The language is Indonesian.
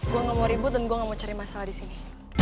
gue gak mau ribut dan gue gak mau cari masalah di sini